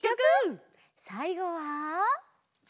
さいごは。